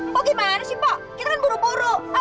kok gimana sih mbak kita kan buru buru ayo di jalan yuk